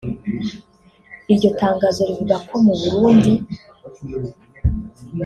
iryo tangazo rivuga ko mu Burundi